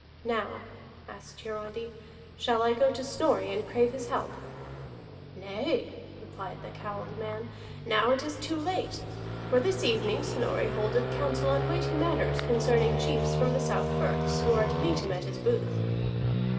"Now," asked Hiarandi, "shall I go to Snorri and crave his help?" "Nay," replied the cowled man, "now it is too late. For this evening Snorri holdeth counsel on weighty matters concerning chiefs from the south firths, who are to meet him at his booth."